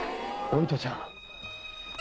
お糸ちゃん。